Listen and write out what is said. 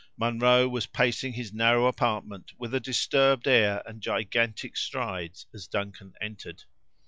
Munro was pacing his narrow apartment with a disturbed air and gigantic strides as Duncan entered.